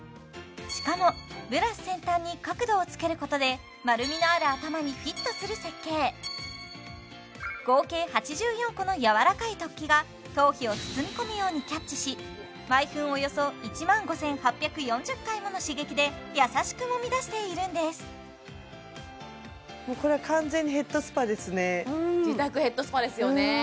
しかもブラシ先端に角度をつけることで丸みのある頭にフィットする設計合計８４個の柔らかい突起が頭皮を包み込むようにキャッチし毎分およそ１万５８４０回もの刺激で優しく揉み出しているんです自宅ヘッドスパですよね